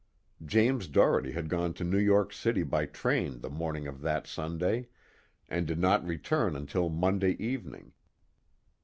James Doherty had gone to New York City by train the morning of that Sunday and did not return until Monday evening....